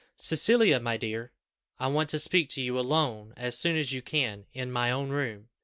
"Cecilia, my dear, I want to speak to you alone, as soon as you can, in my own room."